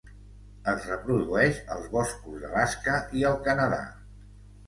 Es reprodueix als boscos d'Alaska i el Canadà.